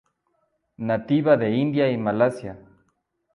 Nativa de India y Malasia.